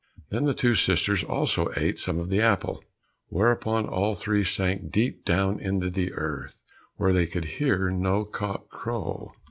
Then the two other sisters also ate some of the apple, whereupon all three sank deep down into the earth, where they could hear no cock crow.